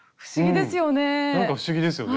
なんか不思議ですよね。